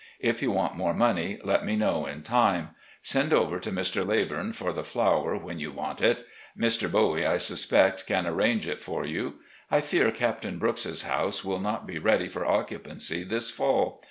If you want more money, let me know in time. Send over to Mr. Leybum for the flour, when you want it. Mr. Bowie, I suspect, can arrange it for you. I fear Captain Brooks's house will not be ready for occupancy this fall.